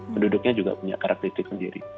penduduknya juga punya karakteristik sendiri